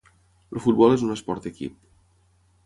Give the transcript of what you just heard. El futbol és un esport d'equip.